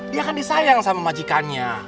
dia akan disayang sama majikannya